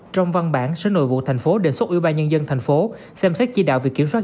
trong văn bản sở nội vụ tp hcm đề xuất ủy ban nhân dân thành phố xem xét chi đạo việc kiểm soát